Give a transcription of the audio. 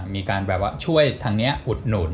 มีการแบบว่าช่วยทางนี้อุดหนุน